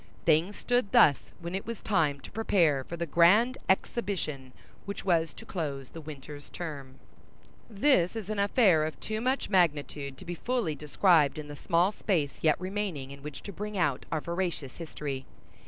Things stood thus when it was time to prepare for the grand exhibition which was to close the winter's term. This is an affair of too much magnitude to be fully described in the small space yet remaining in which to bring out our veracious history.